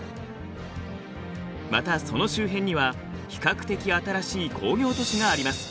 またその周辺には比較的新しい工業都市があります。